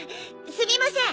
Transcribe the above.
すみません。